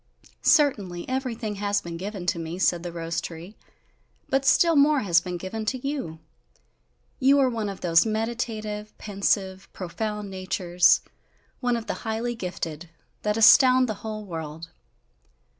"Certainly, everything has been given to me," said the rose tree, "but still more has been given to you. You are one of those meditative, pensive, profound natures, one of the highly gifted, that astound the whole world!"